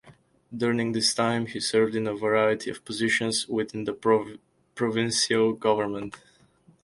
During this time he served in a variety of positions within the provincial government.